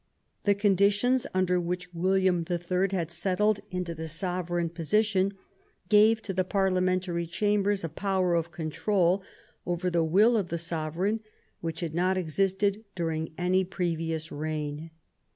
The conditions under which William the Third had settled into the sovereign position gave to the parliamentary chambers a power of control over the will of the sovereign which had not existed during any previous reign.